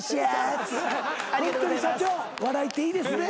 ホントに社長笑いっていいですね。